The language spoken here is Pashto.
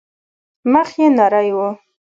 مخ يې نرى و.